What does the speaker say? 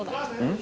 ん？